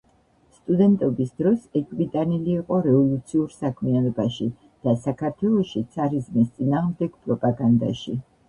სტუდენტობის დროს ეჭვმიტანილი იყო რევოლუციურ საქმიანობაში და საქართველოში ცარიზმის წინააღმდეგ პროპაგანდაში.